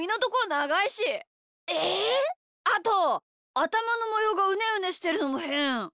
あとあたまのもようがうねうねしてるのもへん！